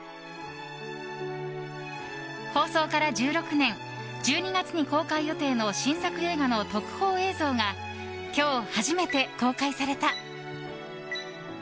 放送から１６年１２月に公開予定の新作映画の特報映像が今日初めて公開された。